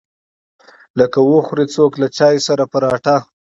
لکه وخوري څوک له چاى سره پراټه.